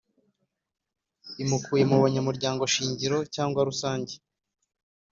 Imukuye Mu Banyamuryango Shingiro Cyangwa rusange